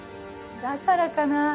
だからかな？